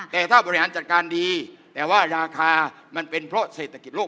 แต่ถ้าบริหารจัดการดีแต่ว่าราคามันเป็นเพราะเศรษฐกิจโลก